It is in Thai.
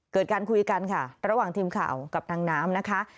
การคุยกันค่ะระหว่างทีมข่าวกับนางน้ำนะคะ